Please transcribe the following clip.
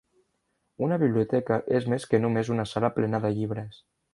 Una biblioteca és més que només una sala plena de llibres